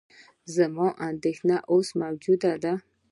زما اندېښنه اوس موجوده ده.